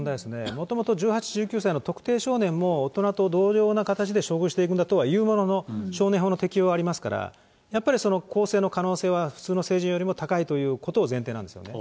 もともと１８、１９歳の特定少年も大人と同様な形で処遇していくのかということですが、少年法の適用はありますから、やっぱり更生の可能性は普通の成人よりも高いということは前提なんですね。